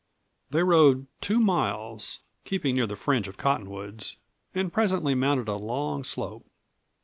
They rode two miles, keeping near the fringe of cottonwoods, and presently mounted a long slope.